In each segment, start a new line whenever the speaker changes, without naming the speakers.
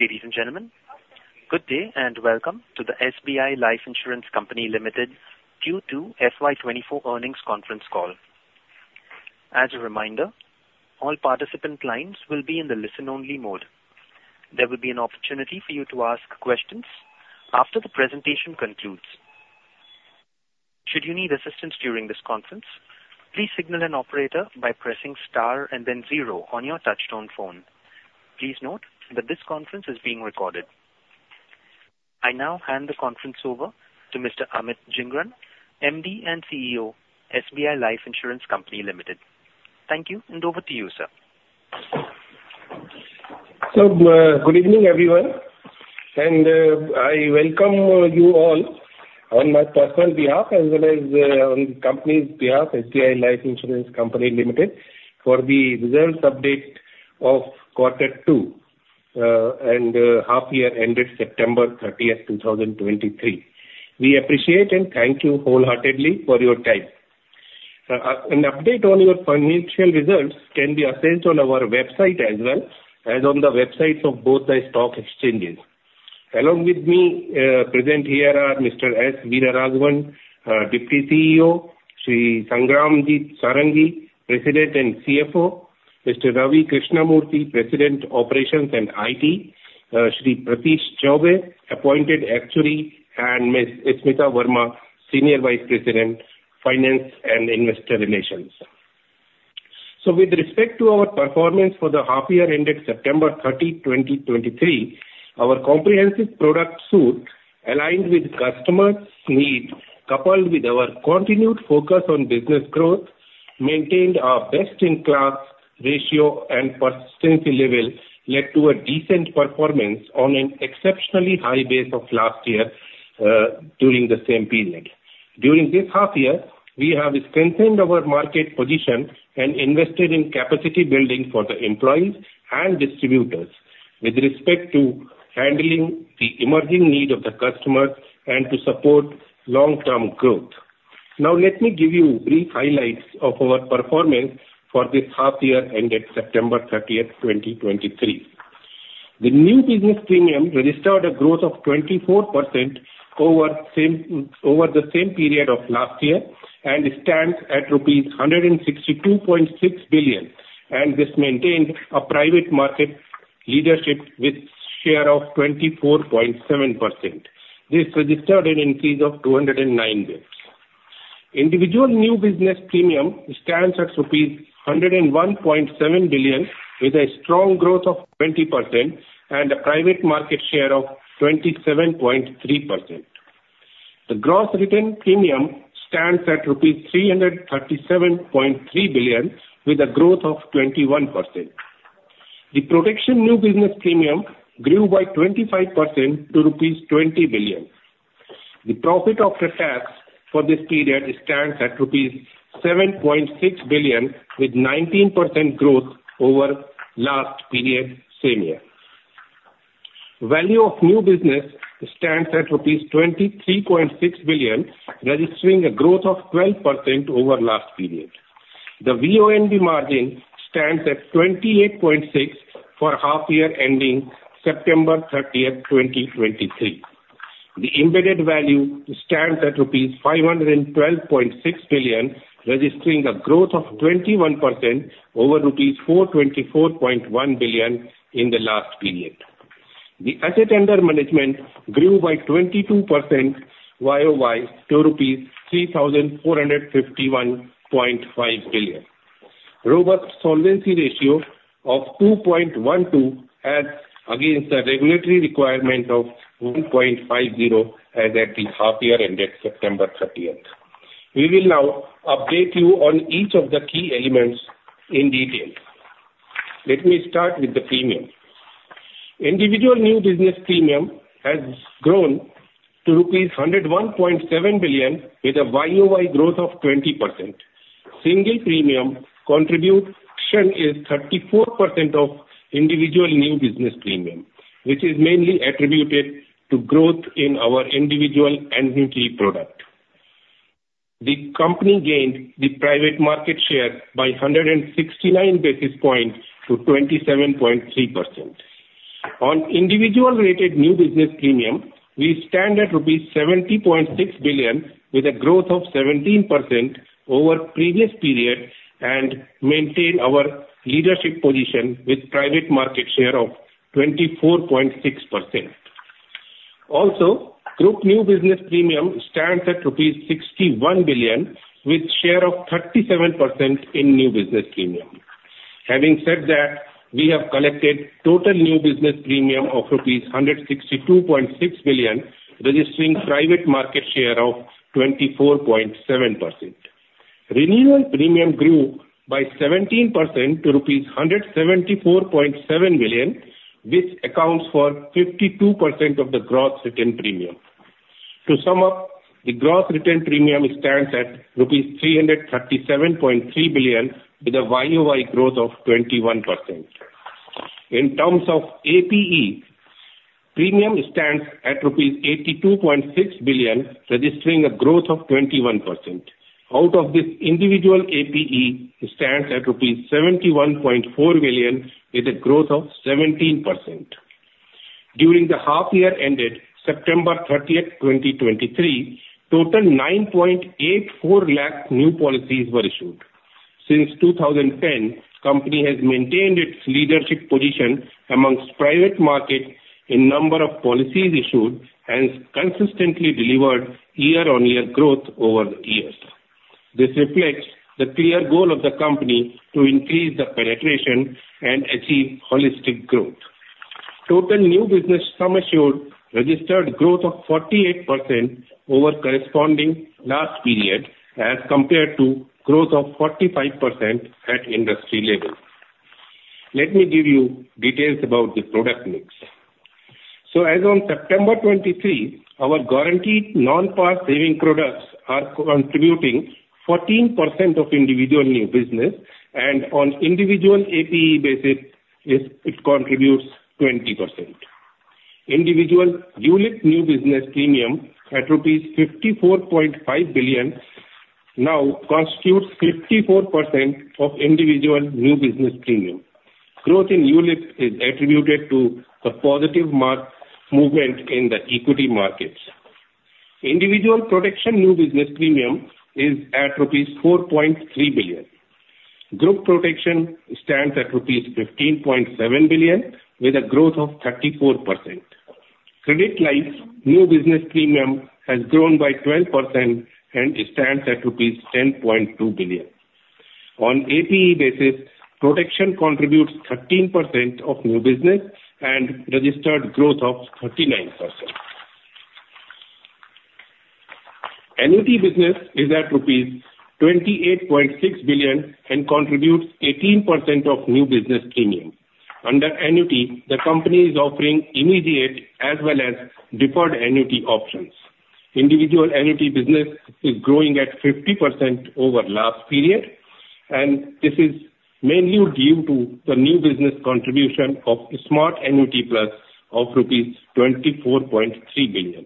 Ladies and gentlemen, good day and welcome to the SBI Life Insurance Company Limited Q2 FY 2024 Earnings Conference Call. As a reminder, all participant lines will be in the listen only mode. There will be an opportunity for you to ask questions after the presentation concludes. Should you need assistance during this conference, please signal an operator by pressing star and then zero on your touchtone phone. Please note that this conference is being recorded. I now hand the conference over to Mr. Amit Jhingran, MD and CEO, SBI Life Insurance Company Limited. Thank you, and over to you, sir.
Good evening, everyone, and I welcome you all on my personal behalf as well as on the company's behalf, SBI Life Insurance Company Limited, for the results update of Quarter Two and half year ended 09/30/2023. We APEpreciate and thank you wholeheartedly for your time. An update on your financial results can be accessed on our website as well as on the websites of both the stock exchanges. Along with me, present here are Mr. S. Veeraraghavan, Deputy CEO; Shri Sangramjit Sarangi, President and CFO; Mr. Ravi Krishnamurthy, President, Operations and IT; Shri Prithesh Chaubey, Appointed Actuary; and Miss Smita Verma, Senior Vice President, Finance and Investor Relations. So with respect to our performance for the half year ended 09/30/2023, our comprehensive product suite, aligned with customers' needs, coupled with our continued focus on business growth, maintained our best-in-class ratio and persistency level, led to a decent performance on an exceptionally high base of last year, during the same period. During this half year, we have strengthened our market position and invested in cAPEacity building for the employees and distributors with respect to handling the emerging need of the customer and to support long-term growth. Now, let me give you brief highlights of our performance for this half year ended 09/30/2023. The new business premium registered a growth of 24% over same, over the same period of last year and stands at rupees 162.6 billion, and this maintained a private market leadership with share of 24.7%. This registered an increase of 209 basis. Individual new business premium stands at rupees 101.7 billion, with a strong growth of 20% and a private market share of 27.3%. The gross written premium stands at rupees 337.3 billion, with a growth of 21%. The protection new business premium grew by 25% to rupees 20 billion. The profit after tax for this period stands at rupees 7.6 billion, with 19% growth over last period, same year. Value of new business stands at rupees 23.6 billion, registering a growth of 12% over last period. The VoNB margin stands at 28.6% for half year ending 09/30/2023. The embedded value stands at rupees 512.6 billion, registering a growth of 21% over rupees 424.1 billion in the last period. The asset under management grew by 22% YoY to rupees 3,451.5 billion. Robust solvency ratio of 2.12 as against the regulatory requirement of 1.50 as at the half year ended September 30. We will now update you on each of the key elements in detail. Let me start with the premium. Individual new business premium has grown to rupees 101.7 billion, with a YoY growth of 20%. Single premium contribution is 34% of individual new business premium, which is mainly attributed to growth in our individual annuity product. The company gained the private market share by 169 basis points to 27.3%. On individual rated new business premium, we stand at 70.6 billion, with a growth of 17% over previous period, and maintain our leadership position with private market share of 24.6%. Also, group new business premium stands at INR 61 billion, with share of 37% in new business premium. Having said that, we have collected total new business premium of rupees 162.6 billion, registering private market share of 24.7%. Renewal premium grew by 17% to rupees 174.7 billion, which accounts for 52% of the gross written premium. To sum up, the gross written premium stands at rupees 337.3 billion, with a YoY growth of 21%. In terms of APE. Premium stands at 82.6 billion rupees, registering a growth of 21%. Out of this, individual APE stands at rupees 71.4 billion, with a growth of 17%. During the half year ended 09/30/2023, total 9.84 lakh new policies were issued. Since 2010, company has maintained its leadership position amongst private market in number of policies issued and consistently delivered year-on-year growth over the years. This reflects the clear goal of the company to increase the penetration and achieve holistic growth. Total new business sum assured registered growth of 48% over corresponding last period, as compared to growth of 45% at industry level. Let me give you details about the product mix. So as on September 2023, our guaranteed non-par saving products are contributing 14% of individual new business, and on individual APE basis, it contributes 20%. Individual ULIP new business premium at rupees 54.5 billion now constitutes 54% of individual new business premium. Growth in ULIPs is attributed to the positive market movement in the equity markets. Individual protection new business premium is at rupees 4.3 billion. Group protection stands at rupees 15.7 billion, with a growth of 34%. Credit life new business premium has grown by 12% and stands at rupees 10.2 billion. On APE basis, protection contributes 13% of new business and registered growth of 39%. Annuity business is at rupees 28.6 billion and contributes 18% of new business premium. Under annuity, the company is offering immediate as well as deferred annuity options. Individual annuity business is growing at 50% over last period, and this is mainly due to the new business contribution of Smart Annuity Plus of rupees 24.3 billion.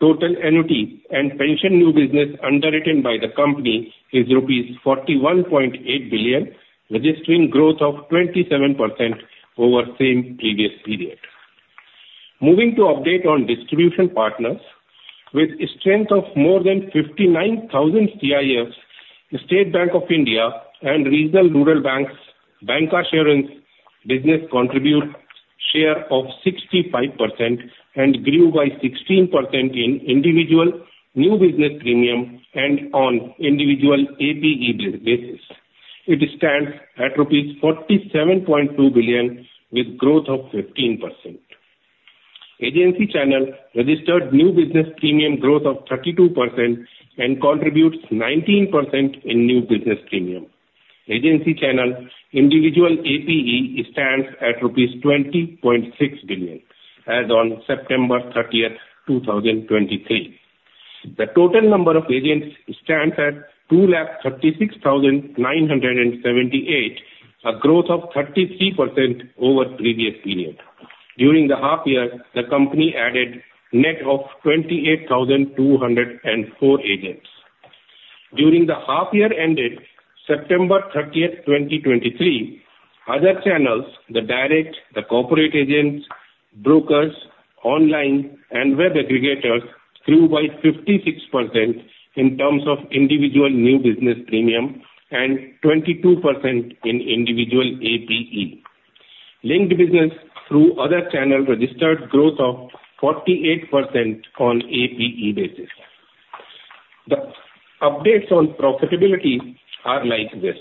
Total annuity and pension new business underwritten by the company is rupees 41.8 billion, registering growth of 27% over same previous period. Moving to update on distribution partners. With a strength of more than 59,000 CIFs, State Bank of India and regional rural banks, bancassurance business contribute share of 65% and grew by 16% in individual new business premium and on individual APE basis. It stands at rupees 47.2 billion, with growth of 15%. Agency channel registered new business premium growth of 32% and contributes 19% in new business premium. Agency channel individual APE stands at rupees 20.6 billion as on 09/30/2023. The total number of agents stands at 236,978, a growth of 33% over previous period. During the half year, the company added net of 28,204 agents. During the half year ended 09/30/2023, other channels, the direct, the corporate agents, brokers, online and web aggregators, grew by 56% in terms of individual new business premium and 22% in individual APE. Linked business through other channels registered growth of 48% on APE basis. The updates on profitability are like this: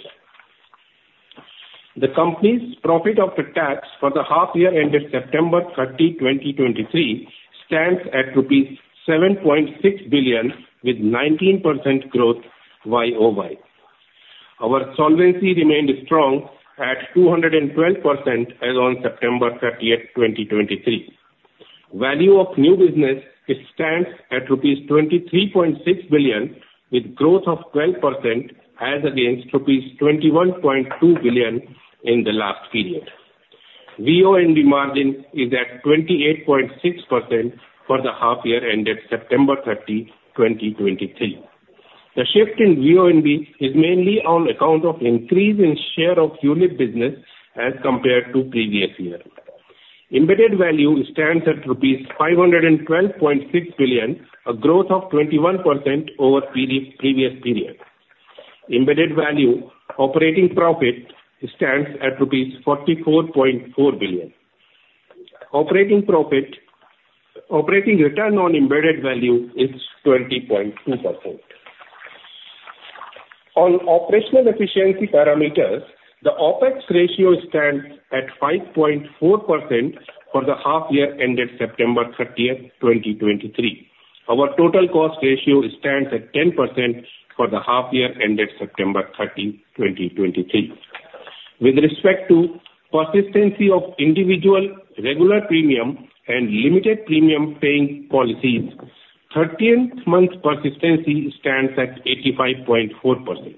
The company's profit after tax for the half year ended 09/30/2023, stands at rupees 7.6 billion, with 19% growth YoY. Our solvency remained strong at 212% as on 09/30/2023. Value of new business, it stands at rupees 23.6 billion, with growth of 12% as against rupees 21.2 billion in the last period. VoNB margin is at 28.6% for the half year ended 09/30/2023. The shift in VoNB is mainly on account of increase in share of ULIP business as compared to previous year. Embedded value stands at rupees 512.6 billion, a growth of 21% over previous period. Embedded value operating profit stands at rupees 44.4 billion. Operating return on embedded value is 20.2%. On operational efficiency parameters, the OpEx ratio stands at 5.4% for the half year ended 09/30/2023. Our total cost ratio stands at 10% for the half year ended 09/30/2023. With respect to persistency of individual regular premium and limited premium paying policies, 13th month persistency stands at 85.4%.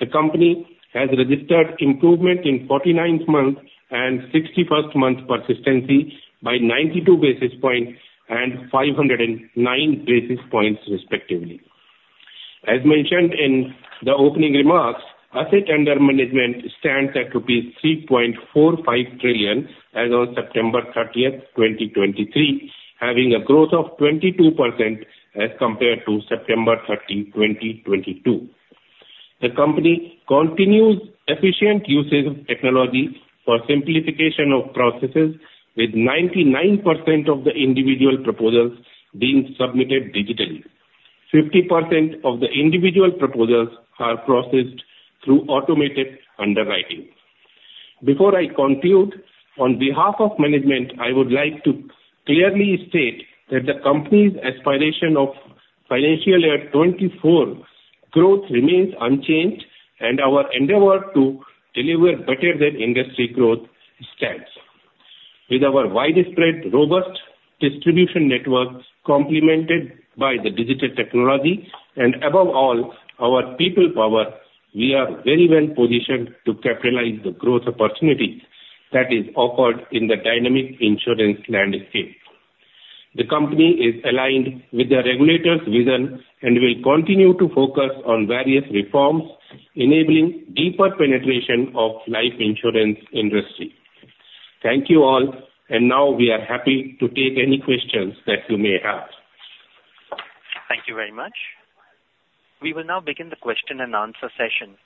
The company has registered improvement in 49-month and 61st-month persistency by 92 basis points and 509 basis points respectively. As mentioned in the opening remarks, assets under management stands at rupees 3.45 trillion as on 09/30/2023, having a growth of 22% as compared to 09/30/2022. The company continues efficient usage of technology for simplification of processes, with 99% of the individual proposals being submitted digitally. 50% of the individual proposals are processed through automated underwriting. Before I conclude, on behalf of management, I would like to clearly state that the company's aspiration of financial year 2024 growth remains unchanged, and our endeavor to deliver better than industry growth stands. With our widespread, robust distribution network, complemented by the digital technology and above all, our people power, we are very well positioned to Capitalize the growth opportunity that is offered in the dynamic insurance landscAPE. The company is aligned with the regulator's vision and will continue to focus on various reforms, enabling deeper penetration of life insurance industry. Thank you, all. And now we are hAPEpy to take any questions that you may have.
Thank you very much. We will now begin the question and answer session.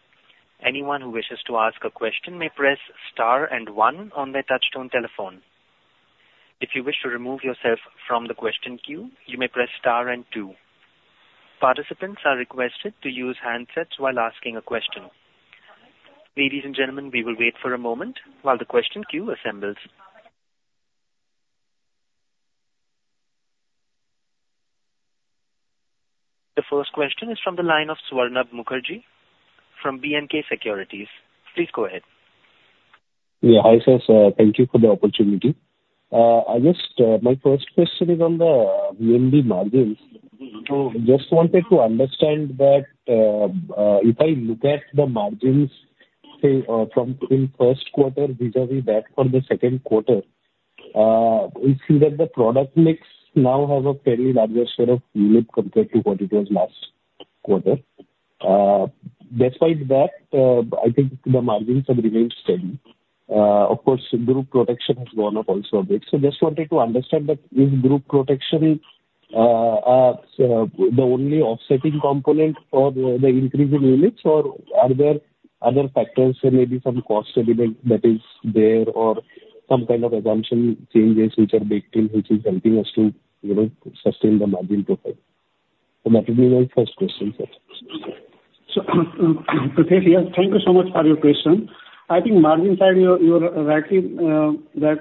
Anyone who wishes to ask a question may press star and one on their touchtone telephone. If you wish to remove yourself from the question queue, you may press star and two. Participants are requested to use handsets while asking a question. Ladies and gentlemen, we will wait for a moment while the question queue assembles. The first question is from the line of Swarnabha Mukherjee from B&K Securities. Please go ahead.
Yeah. Hi, sir. Thank you for the opportunity. I just, my first question is on the VoNB margins. So just wanted to understand that, if I look at the margins, say, from in first quarter vis-a-vis that from the second quarter, we see that the product mix now has a fairly larger share of unit compared to what it was last quarter. Despite that, I think the margins have remained steady. Of course, group protection has gone up also a bit. So just wanted to understand that is group protection the only offsetting component for the, the increase in units, or are there other factors? There may be some cost element that is there, or some kind of assumption changes which are making, which is helping us to, you know, sustain the margin profile. So that would be my first question, sir.
So, Prithesh, yeah, thank you so much for your question. I think margin side, you are, you are right in that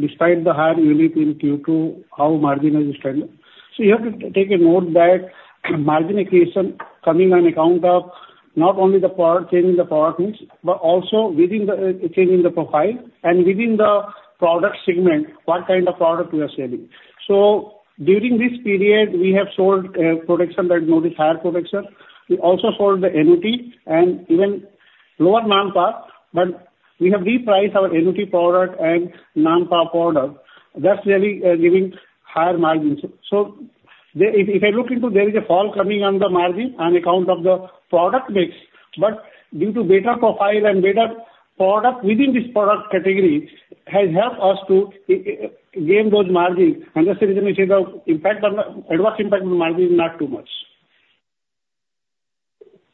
despite the higher ULIP in Q2, how margin has been stable. So you have to take a note that margin accretion coming on account of not only the product, change in the product mix, but also within the change in the profile and within the product segment, what kind of product we are selling. So during this period, we have sold protection that noted higher protection. We also sold the annuity and even lower non-par, but we have repriced our annuity product and non-par product. That's really giving higher margins. So, if I look into, there is a fall coming on the margin on account of the product mix, but due to better profile and better product within this product category, has helped us to gain those margins. And the reason I say the impact on the adverse impact on the margin is not too much.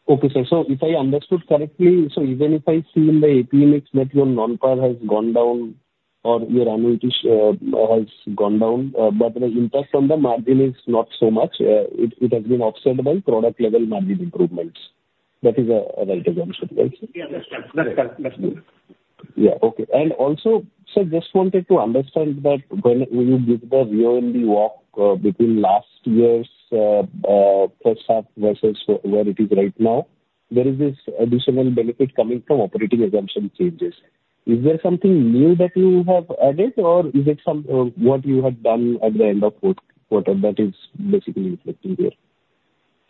Okay, sir. So if I understood correctly, so even if I see in the APE mix that your non-par has gone down or your annuity has gone down, but the impact on the margin is not so much. It has been offset by product level margin improvements. That is a right assumption, right, sir?
Yeah, that's correct. That's correct. That's good.
Yeah. Okay. And also, sir, just wanted to understand that when you did the year on the walk between last year's first half versus where it is right now, there is this additional benefit coming from operating assumption changes. Is there something new that you have added, or is it some, what you had done at the end of fourth quarter that is basically reflecting here?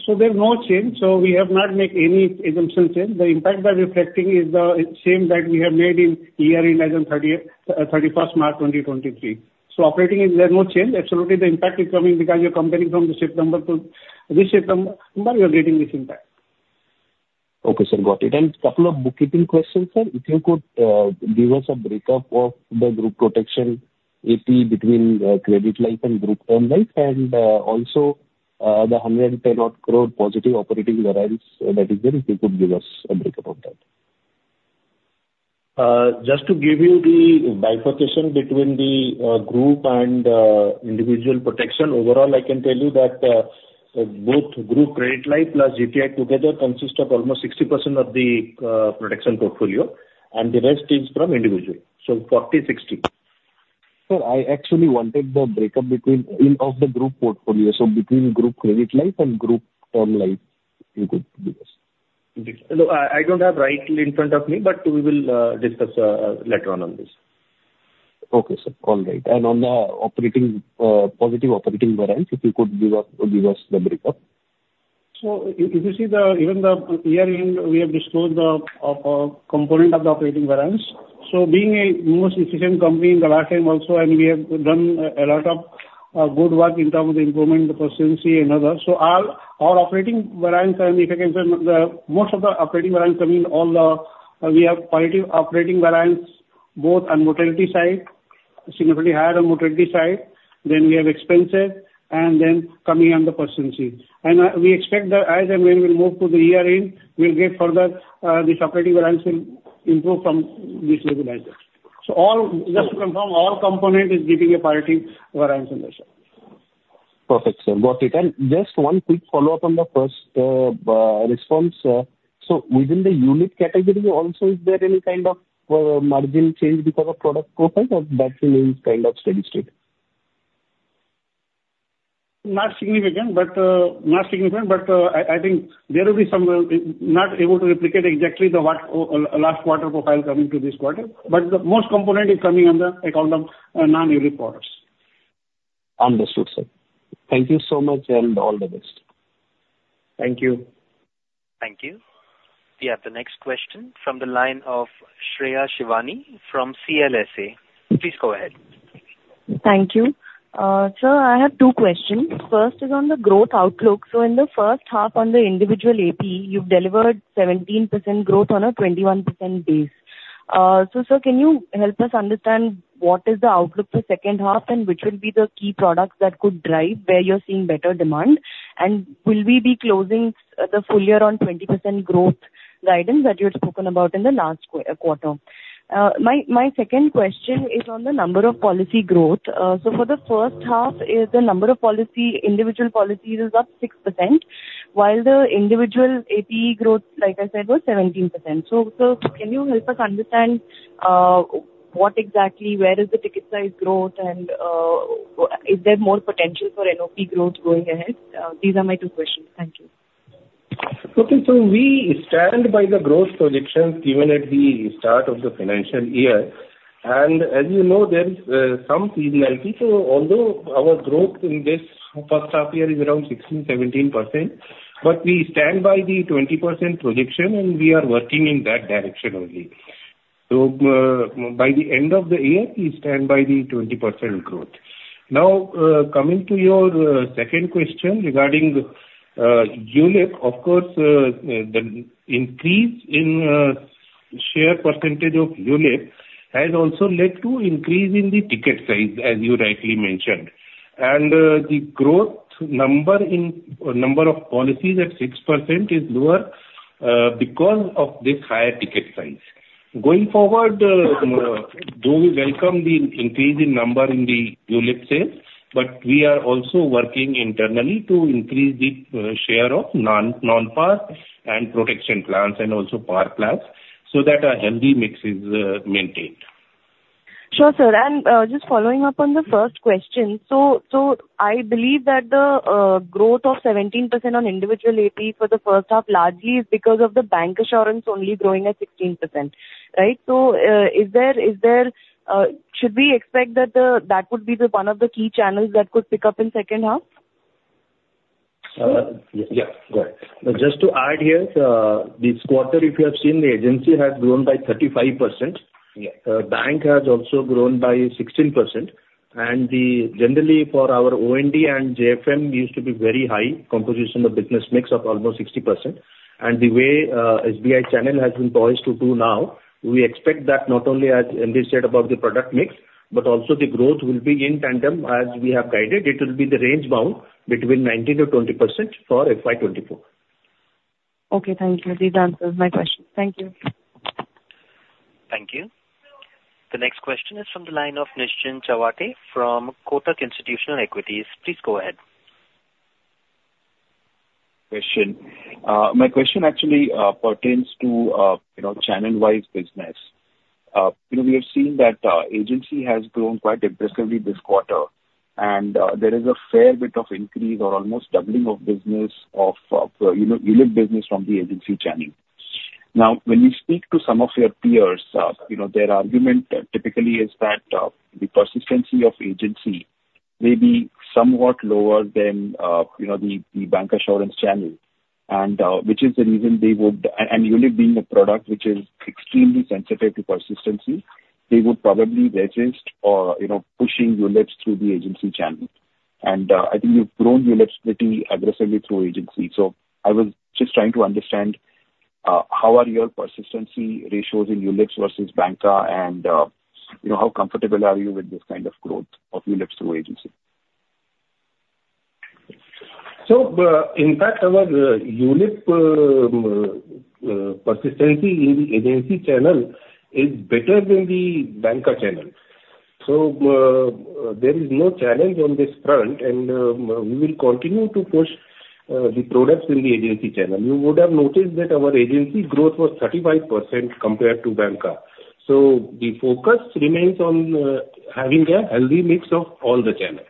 So there's no change. So we have not make any assumption change. The impact we are reflecting is the same that we have made in year in as on 03/31/2023. So operating, there is no change. Absolutely, the impact is coming because you're comparing from the September to this September, you are getting this impact.
Okay, sir. Got it. And couple of bookkeeping questions, sir. If you could give us a breakup of the Group Protection APE between Credit Life and Group Term Life, and also the 110-odd crore positive operating leverage that is there, if you could give us a breakup of that.
Just to give you the bifurcation between the group and individual protection, overall, I can tell you that both Group Credit Life plus GTL together consist of almost 60% of the protection portfolio, and the rest is from individual. So 40, 60.
Sir, I actually wanted the breakup between of the group portfolio, so between Group Credit Life and Group Term Life, you could give us.
No, I don't have right in front of me, but we will discuss later on this.
Okay, sir. All right. And on the operating, positive operating variance, if you could give us, give us the breakup.
So if you see the, even the year end, we have disclosed the, of, component of the operating variance. So being a more efficient company in the last time also, and we have done a lot of, good work in terms of improving the persistency and other. So our, our operating variance, and if I can say, the most of the operating variance coming, all the, we have positive operating variance both on mortality side, significantly higher on mortality side, then we have expenses, and then coming on the persistency. And, we expect that as and when we move to the year end, we'll get further, this operating variance will improve from this level as well. So all, just to confirm, all component is giving a positive variance on this, sir.
Perfect, sir. Got it. And just one quick follow-up on the first, response. So within the unit category also, is there any kind of, margin change because of product profile, or that remains kind of steady state?
Not significant, but not significant, but I, I think there will be some not able to replicate exactly the what last quarter profile coming to this quarter, but the most component is coming on the account of non-ULIP products.
Understood, sir. Thank you so much, and all the best.
Thank you.
Thank you. We have the next question from the line of Shreya Shivani from CLSA. Please go ahead.
Thank you. Sir, I have two questions. First is on the growth outlook. So in the first half on the individual APE, you've delivered 17% growth on a 21% base. So, sir, can you help us understand what is the outlook for second half, and which will be the key products that could drive where you're seeing better demand? And will we be closing the full year on 20% growth guidance that you had spoken about in the last quarter? My second question is on the number of policy growth. So for the first half, is the number of policy, individual policies is up 6%, while the individual APE growth, like I said, was 17%. So, sir, can you help us understand what exactly where is the ticket size growth, and is there more potential for NOP growth going ahead? These are my two questions. Thank you.
Okay, so we stand by the growth projections given at the start of the financial year. And as you know, there is some seasonality. So although our growth in this first half year is around 16%-17%, but we stand by the 20% projection, and we are working in that direction only. So by the end of the year, we stand by the 20% growth. Now coming to your second question regarding ULIP. Of course, the increase in share percentage of ULIP has also led to increase in the ticket size, as you rightly mentioned. And the growth number in number of policies at 6% is lower because of this higher ticket size. Going forward, though we welcome the increase in number in the ULIP sales, but we are also working internally to increase the share of non, non-par and protection plans and also par plans, so that a healthy mix is maintained.
Sure, sir. And just following up on the first question. So, so I believe that the growth of 17% on individual APE for the first half largely is because of the Bancassurance only growing at 16%, right? So, is there, is there, should we expect that the, that would be the one of the key channels that could pick up in second half?
Yeah, got it. Just to add here, this quarter, if you have seen, the agency has grown by 35%. Bank has also grown by 16%. And the, generally for our OND and JFM used to be very high composition of business mix of almost 60%. And the way, SBI channel has been poised to do now, we expect that not only as N said about the product mix, but also the growth will be in tandem as we have guided. It will be the range bound between 19%-20% for FY 2024.
Okay, thank you. This answers my question. Thank you.
Thank you. The next question is from the line of Nischint Chawathe from Kotak Institutional Equities. Please go ahead.
Question. My question actually pertains to, you know, channel-wise business. You know, we have seen that agency has grown quite impressively this quarter, and there is a fair bit of increase or almost doubling of business, of, you know, ULIP business from the agency channel. Now, when you speak to some of your peers, you know, their argument typically is that the persistency of agency may be somewhat lower than, you know, the bank assurance channel, and which is the reason they would... And ULIP being a product which is extremely sensitive to persistency, they would probably resist or, you know, pushing ULIPs through the agency channel. And I think you've grown ULIPs pretty aggressively through agency. I was just trying to understand how are your persistency ratios in ULIPs versus banca and, you know, how comfortable are you with this kind of growth of ULIPs through agency?
So, in fact, our ULIP persistency in the agency channel is better than the banca channel. So, there is no challenge on this front, and we will continue to push the products in the agency channel. You would have noticed that our agency growth was 35% compared to banker, so the focus remains on having a healthy mix of all the channels.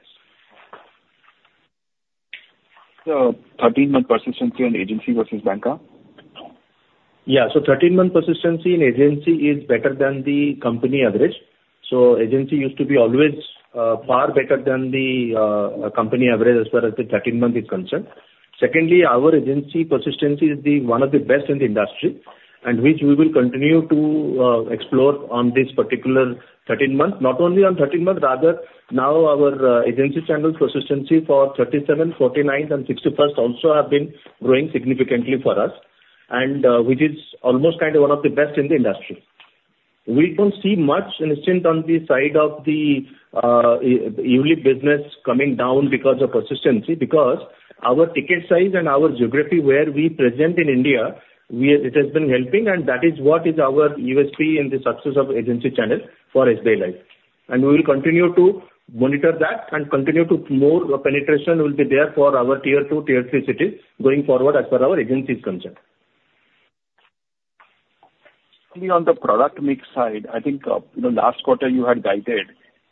So 13-month persistency on agency versus banker?
Yeah. So 13-month persistency in agency is better than the company average. So agency used to be always far better than the company average as far as the 13 month is concerned. Secondly, our agency persistency is one of the best in the industry, and which we will continue to explore on this particular 13 months. Not only on 13 months, rather now our agency channel persistency for 37, 49, and 61st also have been growing significantly for us, and which is almost kind of one of the best in the industry. We don't see much incentive on the side of the ULIP business coming down because of persistency, because our ticket size and our geography where we're present in India, it has been helping, and that is what is our USP and the success of agency channel for SBI Life. We will continue to monitor that and continue to more penetration will be there for our tier two, tier three cities going forward as per our agency is concerned.
Only on the product mix side, I think, in the last quarter you had guided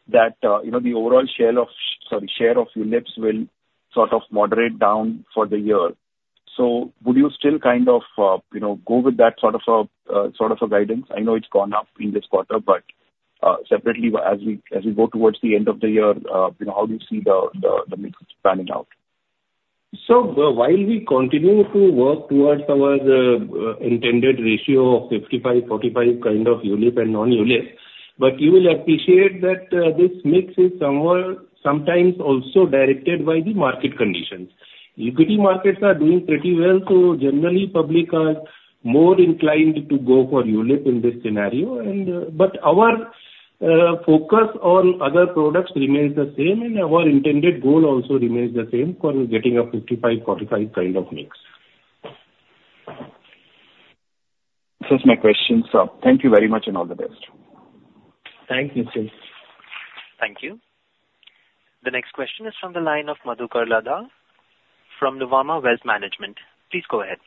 that, you know, the overall sale of—sorry, share of ULIPs will sort of moderate down for the year. So would you still kind of, you know, go with that sort of a, sort of a guidance? I know it's gone up in this quarter, but, separately, as we go towards the end of the year, you know, how do you see the mix panning out?
So while we continue to work towards our intended ratio of 55/45 kind of ULIP and non-ULIP, but you will appreciate that this mix is somewhere sometimes also directed by the market conditions. Equity markets are doing pretty well, so generally, public are more inclined to go for ULIP in this scenario and... But our focus on other products remains the same, and our intended goal also remains the same, for getting a 55/45 kind of mix.
This is my question. Thank you very much, and all the best.
Thank you, sir.
Thank you. The next question is from the line of Madhukar Ladha from Nuvama Wealth Management. Please go ahead.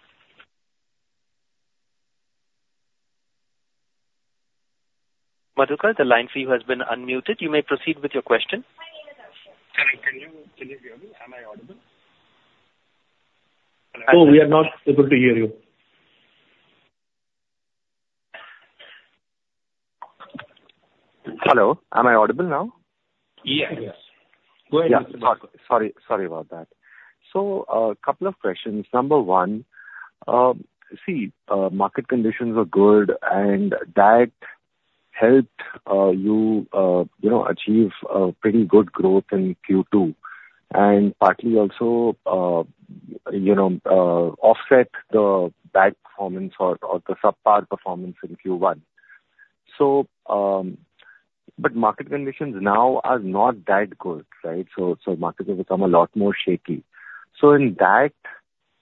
Madhukar, the line for you has been unmuted. You may proceed with your question.
Can you, can you hear me? Am I audible?
No, we are not able to hear you.
Hello, am I audible now?
Yes. Go ahead.
Yeah. Sorry, sorry about that. So, couple of questions. Number one, see, market conditions are good, and that helped, you, you know, achieve a pretty good growth in Q2, and partly also, you know, offset the bad performance or, or the subpar performance in Q1. So, but market conditions now are not that good, right? So, so markets have become a lot more shaky. So in that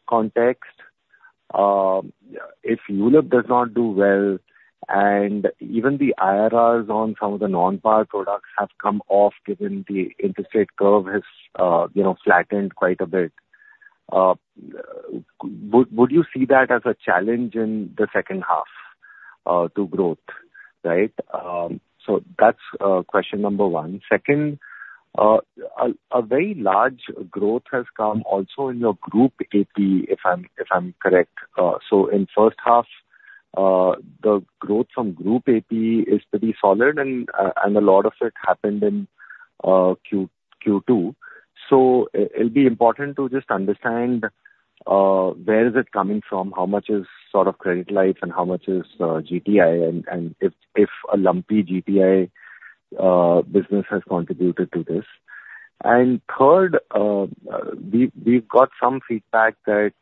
context, if ULIP does not do well, and even the IRRs on some of the non-par products have come off, given the interest rate curve has, you know, flattened quite a bit, would, would you see that as a challenge in the second half, to growth, right? So that's question number one. Second, a very large growth has come also in your group APE, if I'm correct. So in first half, the growth from group APE is pretty solid, and a lot of it happened in Q2. So it'll be important to just understand where is it coming from, how much is sort of credit life and how much is GTL and if a lumpy GTL business has contributed to this. And third, we've got some feedback that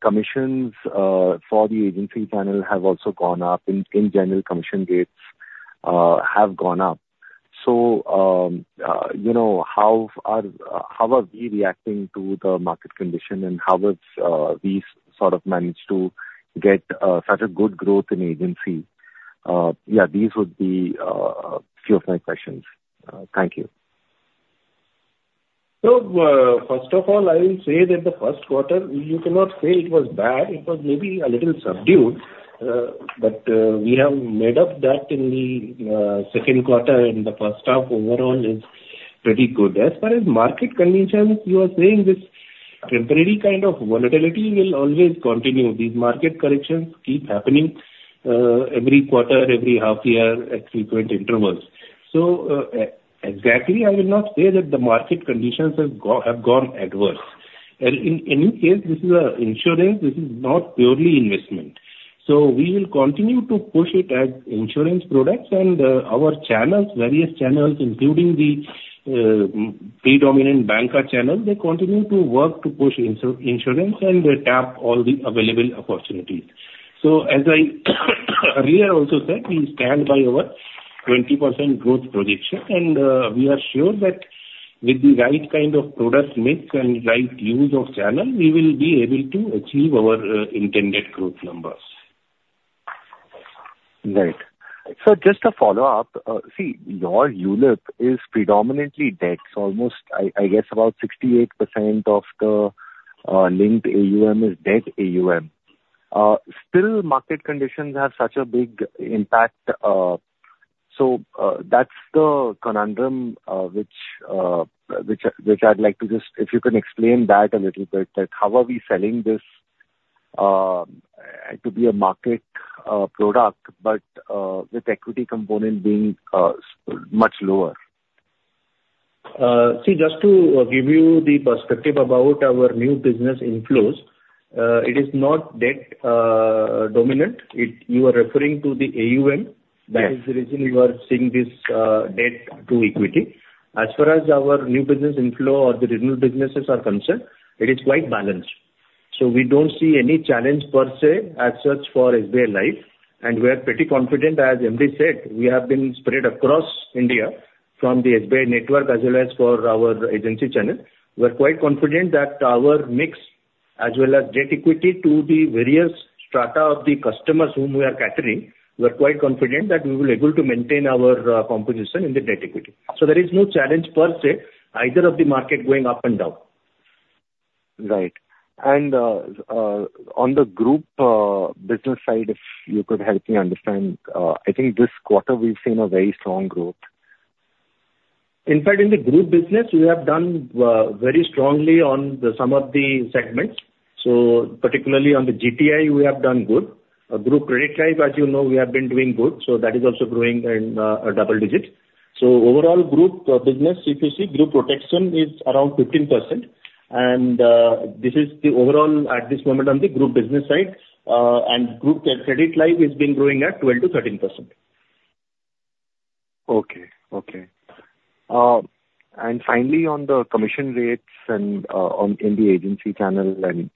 commissions for the agency channel have also gone up. In general, commission rates have gone up. So, you know, how are we reacting to the market condition, and how have we sort of managed to get such a good growth in agency? Yeah, these would be a few of my questions. Thank you.
So, first of all, I will say that the first quarter, you cannot say it was bad. It was maybe a little subdued, but, we have made up that in the second quarter, and the first half overall is pretty good. As far as market conditions, you are saying this temporary kind of volatility will always continue. These market corrections keep happening, every quarter, every half year at frequent intervals. So, exactly, I will not say that the market conditions have gone adverse. And in any case, this is a insurance, this is not purely investment. So we will continue to push it as insurance products and, our channels, various channels, including the predominant banker channels, they continue to work to push insurance, and they tape all the available opportunities. As I earlier also said, we stand by our 20% growth projection, and we are sure that with the right kind of product mix and right use of channel, we will be able to achieve our intended growth numbers.
Right. So just a follow-up. See, your ULIP is predominantly debt. Almost, I guess, about 68% of the linked AUM is debt AUM. Still, market conditions have such a big impact. So, that's the conundrum, which I'd like to just if you can explain that a little bit, that how are we selling this to be a market product, but with equity component being much lower?
See, just to give you the perspective about our new business inflows, it is not debt dominant. You are referring to the AUM-
Yes.
- that is the reason you are seeing this, debt to equity. As far as our new business inflow or the renewal businesses are concerned, it is quite balanced. So we don't see any challenge per se, as such, for SBI Life, and we are pretty confident, as MD said, we have been spread across India from the SBI network as well as for our agency channel. We are quite confident that our mix, as well as debt equity to the various strata of the customers whom we are catering, we are quite confident that we will be able to maintain our, composition in the debt equity. So there is no challenge per se, either of the market going up and down.
Right. And, on the group business side, if you could help me understand, I think this quarter we've seen a very strong growth.
In fact, in the group business, we have done very strongly on the some of the segments, so particularly on the GTL, we have done good. Group Credit Life, as you know, we have been doing good, so that is also growing in a double-digit. So overall group business, if you see, group protection is around 15%, and this is the overall at this moment on the group business side. And Group Credit Life has been growing at 12%-13%.
Okay. Okay. And finally, on the commission rates and on in the agency channel and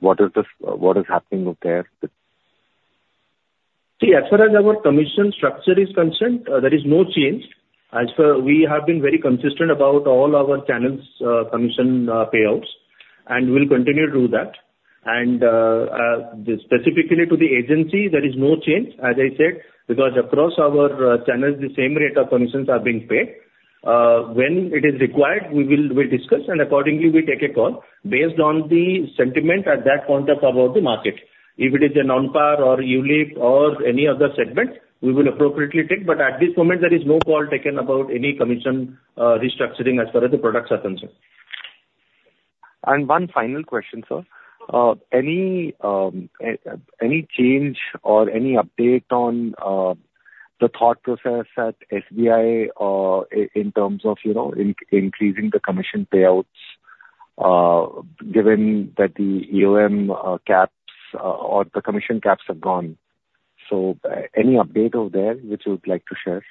what is this what is happening out there?
See, as far as our commission structure is concerned, there is no change. As far, we have been very consistent about all our channels', commission, payouts, and we'll continue to do that. Specifically to the agency, there is no change, as I said, because across our channels, the same rate of commissions are being paid. When it is required, we will, we'll discuss, and accordingly, we take a call based on the sentiment at that point of about the market. If it is a Non-Par or ULIP or any other segment, we will appropriately take, but at this moment there is no call taken about any commission, restructuring as far as the products are concerned.
And one final question, sir. Any change or any update on the thought process at SBI in terms of, you know, increasing the commission payouts, given that the AUM Capes or the commission Capes are gone? So, any update out there which you would like to share?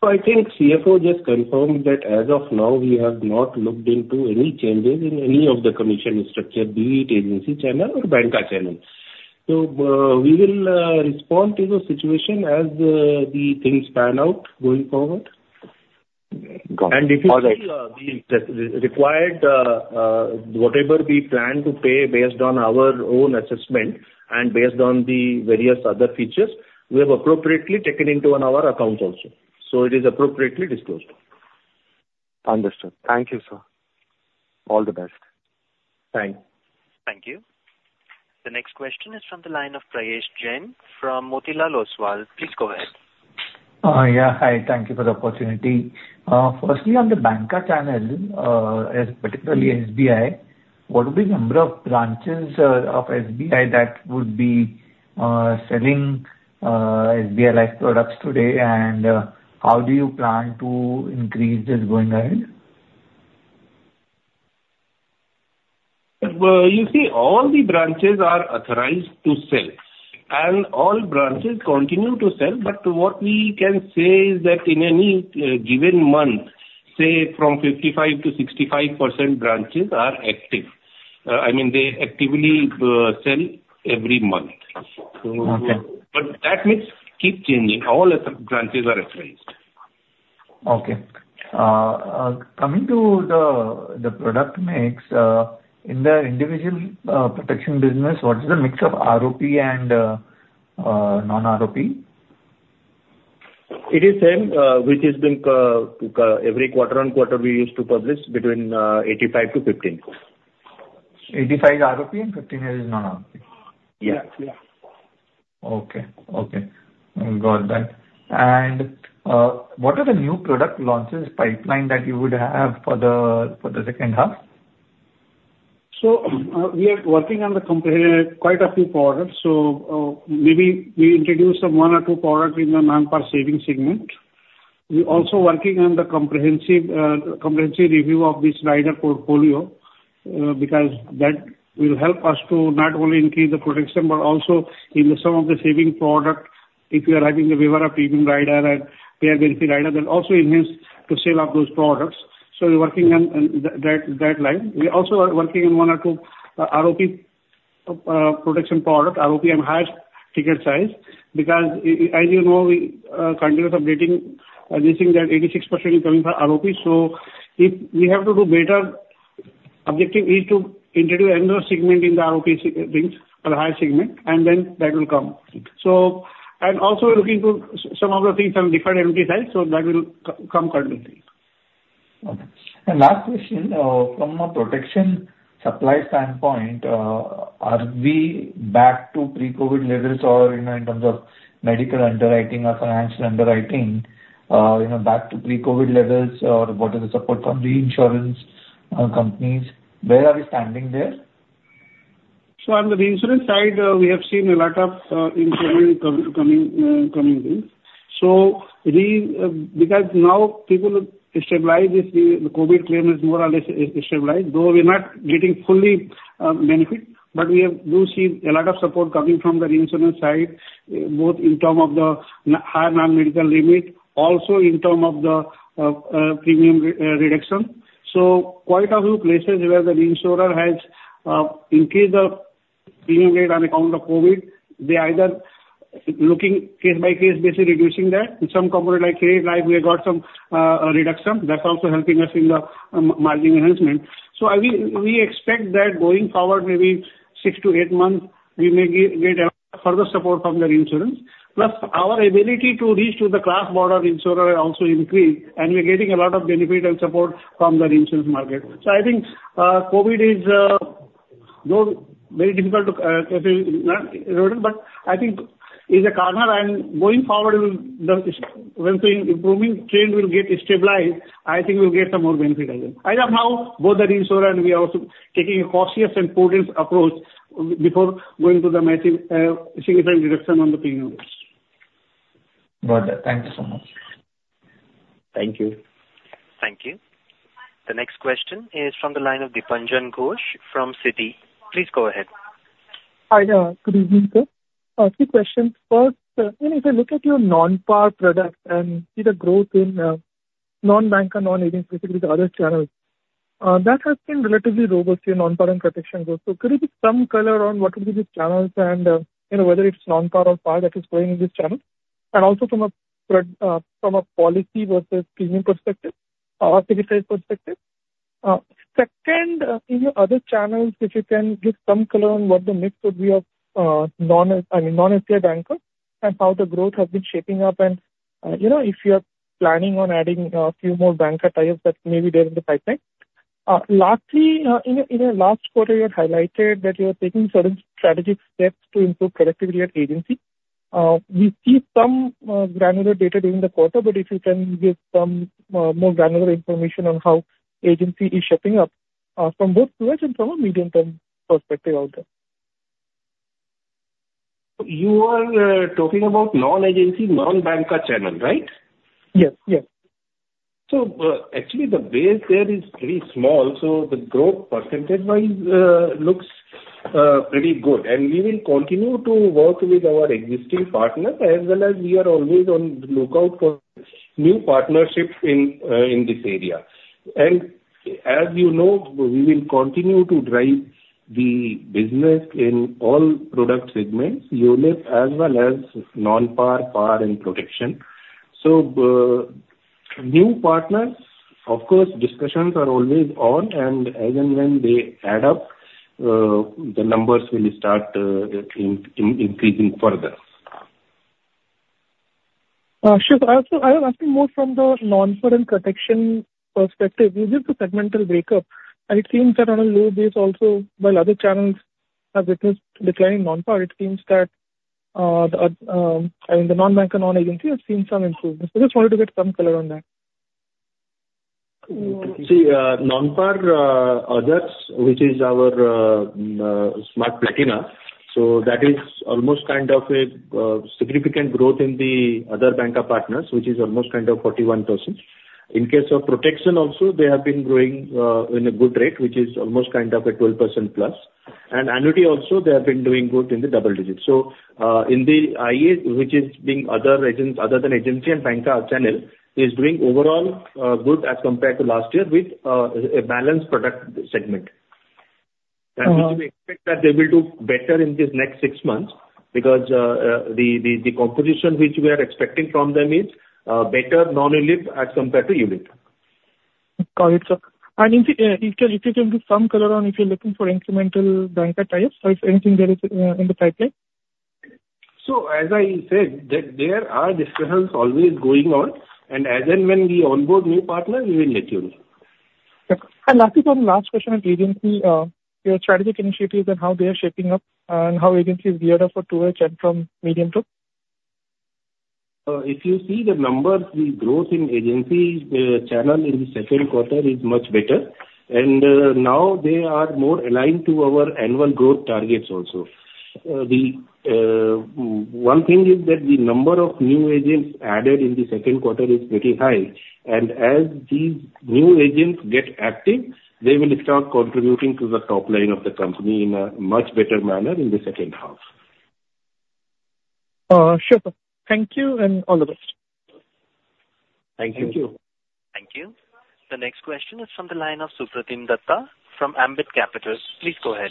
So I think CFO just confirmed that as of now, we have not looked into any changes in any of the commission structure, be it agency channel or banker channel. So, we will respond to the situation as the things pan out going forward.
Got it. All right.
If you see the required, whatever we plan to pay based on our own assessment and based on the various other features, we have appropriately taken into account also, so it is appropriately disclosed.
Understood. Thank you, sir. All the best.
Thanks.
Thank you. The next question is from the line of Prayesh Jain from Motilal Oswal. Please go ahead.
Yeah, hi. Thank you for the opportunity. Firstly, on the banker channel, as particularly SBI, what would be number of branches of SBI that would be selling SBI Life products today? And, how do you plan to increase this going ahead?
You see, all the branches are authorized to sell, and all branches continue to sell, but what we can say is that in any given month, say from 55%-65% branches are active. I mean, they actively sell every month.
Okay.
So, but that mix keep changing. All of the branches are authorized.
Okay. Coming to the product mix in the individual protection business, what is the mix of ROP and non-ROP?
It is same, which is been, every quarter-on-quarter we used to publish between 85-15.
85 ROP and 15 is non-ROP?
Yes. Yeah.
Okay. Okay, I got that. And, what are the new product launches pipeline that you would have for the second half?
So, we are working on quite a few products, so, maybe we introduce some one or two product in the non-par savings segment. We also working on the comprehensive, comprehensive review of this rider portfolio, because that will help us to not only increase the protection, but also in some of the saving product. If you are having the waiver of premium rider and pay benefit rider, that also enhance the sale of those products. So we're working on, on that, that line. We also are working on one or two, ROP, protection product, ROP and higher ticket size, because as you know, we, continuous updating, we're seeing that 86% is coming from ROP. So if we have to do better, objective is to introduce another segment in the ROP segment things, or the higher segment, and then that will come. So, and also we're looking to some of the things from different MP size, so that will come currently.
Okay. Last question, from a protection supply standpoint, are we back to pre-COVID levels or, you know, in terms of medical underwriting or financial underwriting, you know, back to pre-COVID levels or what is the support from the insurance companies? Where are we standing there?
So on the insurance side, we have seen a lot of improvement coming in. So we, because now people have stabilized, the COVID claim is more or less stabilized, though we are not getting fully benefit, but we do see a lot of support coming from the reinsurance side, both in term of the high non-medical limit, also in term of the premium reduction. So quite a few places where the reinsurer has increased the premium rate on account of COVID, they either looking case by case basis, reducing that. In some company like A Life, we have got some a reduction that's also helping us in the margin enhancement. So I think we expect that going forward, maybe 6-8 months, we may get further support from the reinsurance. Plus, our ability to reach to the class border reinsurer also increased, and we're getting a lot of benefit and support from the reinsurance market. So I think, COVID is, though very difficult to, but I think is a corner and going forward, will the improving trend will get stabilized, I think we'll get some more benefit as well. As of now, both the reinsurer and we are also taking a cautious and prudent approach before going to the massive, significant reduction on the premium.
Got that. Thank you so much.
Thank you.
Thank you. The next question is from the line of Dipanjan Ghosh from Citi. Please go ahead.
Hi, good evening, sir. Three questions. First, when you look at your non-par products and see the growth in non-bank and non-agent, specifically the other channels, that has been relatively robust in non-par and protection growth. So could you give some color on what will be the channels and, you know, whether it's non-par or par that is growing in this channel? And also from a policy versus premium perspective. Second, in your other channels, if you can give some color on what the mix would be of non, I mean, non-FCI banker and how the growth has been shaping up, and, you know, if you are planning on adding a few more banker partners that may be there in the pipeline. Lastly, in the last quarter, you had highlighted that you are taking certain strategic steps to improve productivity at agency. We see some granular data during the quarter, but if you can give some more granular information on how agency is shaping up, from both quarters and from a medium-term perspective out there.
You are talking about non-agency, non-banker channel, right?
Yes. Yes.
So, actually the base there is very small, so the growth percentage-wise looks pretty good. And we will continue to work with our existing partners, as well as we are always on the lookout for new partnerships in this area. And as you know, we will continue to drive the business in all product segments, ULIP, as well as non-par, par and protection. So, new partners, of course, discussions are always on, and as and when they add up, the numbers will start increasing further.
Sure. I also am asking more from the non-par and protection perspective. You gave the segmental breakup, and it seems that on a low base also, while other channels have witnessed declining non-par, it seems that and the non-bank and non-agency have seen some improvement. So just wanted to get some color on that.
See, non-par others, which is our Smart Platina. So that is almost kind of a significant growth in the other banker partners, which is almost kind of 41%. In case of protection also, they have been growing in a good rate, which is almost kind of a 12%+. And annuity also, they have been doing good in the double digits. So, in the IA, which is being other agents, other than agency and banker channel, is doing overall good as compared to last year with a balanced product segment.
Uh-
We expect that they will do better in this next six months because the composition which we are expecting from them is better non-ULIP as compared to ULIP.
Got it, sir. And if you can give some color on if you're looking for incremental banker types or if anything there is in the pipeline?
As I said, that there are discussions always going on, and as and when we onboard new partners, we will let you know.
Okay. Lastly, one last question on agency, your strategic initiatives and how they are shaping up and how agency is geared up for two years and from medium term?
If you see the numbers, the growth in agency channel in the second quarter is much better. And, now they are more aligned to our annual growth targets also. One thing is that the number of new agents added in the second quarter is very high, and as these new agents get active, they will start contributing to the top line of the company in a much better manner in the second half.
Sure, sir. Thank you, and all the best.
Thank you.
Thank you. The next question is from the line of Supratim Datta from Ambit Capital. Please go ahead.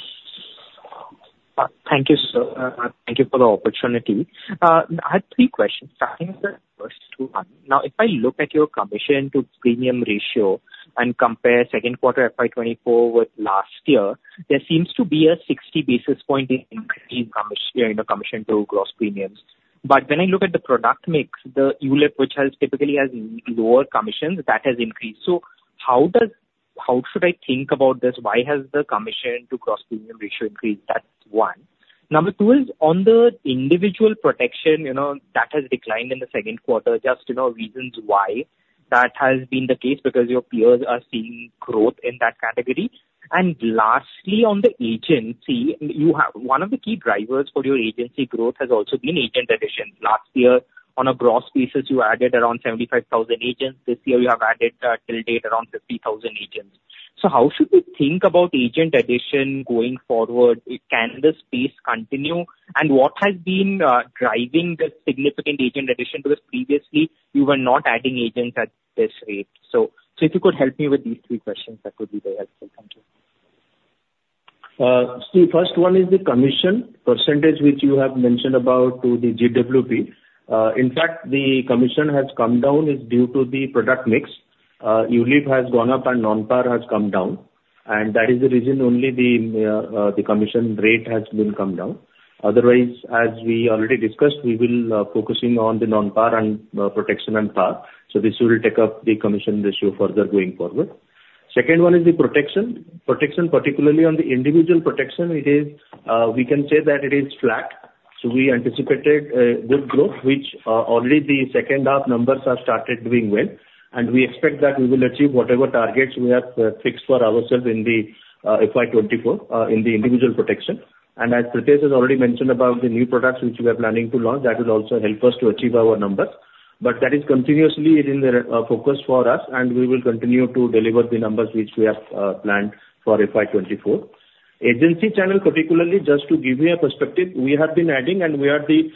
Thank you, sir. Thank you for the opportunity. I had three questions. Starting with the first two one. Now, if I look at your commission to premium ratio and compare second quarter FY 2024 with last year, there seems to be a 60 basis point increase in commission, you know, commission to gross premiums. But when I look at the product mix, the ULIP, which typically has lower commissions, that has increased. So how should I think about this? Why has the commission to gross premium ratio increased? That's one. Number two is on the individual protection, you know, that has declined in the second quarter. Just, you know, reasons why that has been the case, because your peers are seeing growth in that category. Lastly, on the agency, one of the key drivers for your agency growth has also been agent addition. Last year, on a gross basis, you added around 75,000 agents. This year you have added, till date, around 50,000 agents. So how should we think about agent addition going forward? Can this pace continue? And what has been driving the significant agent addition, because previously you were not adding agents at this rate? So if you could help me with these three questions, that would be very helpful. Thank you.
So first one is the commission percentage, which you have mentioned about to the GWP. In fact, the commission has come down is due to the product mix. ULIP has gone up and non-par has come down, and that is the reason only the, the commission rate has been come down. Otherwise, as we already discussed, we will, focusing on the non-par and, protection and par, so this will take up the commission ratio further going forward. Second one is the protection. Protection, particularly on the individual protection, it is, we can say that it is flat. So we anticipated, good growth, which, already the second half numbers have started doing well, and we expect that we will achieve whatever targets we have, fixed for ourselves in the, FY 2024, in the individual protection. And as Prithesh has already mentioned about the new products, which we are planning to launch, that will also help us to achieve our numbers. But that is continuously it is a focus for us, and we will continue to deliver the numbers which we have planned for FY 2024. Agency channel, particularly, just to give you a perspective, we have been adding and we are the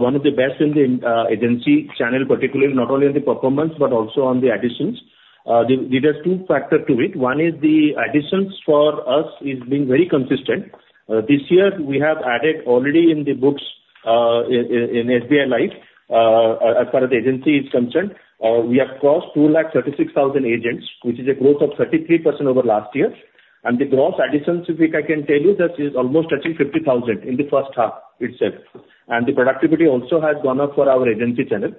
one of the best in the agency channel, particularly not only on the performance but also on the additions. There are two factors to it: One is the additions for us is being very consistent. This year we have added already in the books in SBI Life, as far as the agency is concerned, we have crossed 236,000 agents, which is a growth of 33% over last year. The gross additions, if I can tell you, that is almost touching 50,000 in the first half itself. The productivity also has gone up for our agency channel